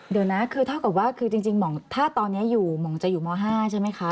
เดี๋ยวนะถ้าตอนนี้หมองจะอยู่ม๕ใช่ไหมครับ